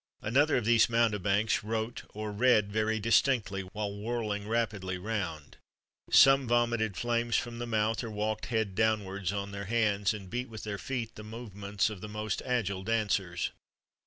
Another of these mountebanks wrote or read very distinctly while whirling rapidly round.[XXXV 88] Some vomited flames from the mouth, or walked, head downwards, on their hands, and beat with their feet the movements of the most agile dancers.